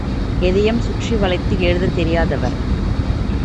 எதையும் சுற்றி வளைத்து எழுதத் தெரியாதவர்.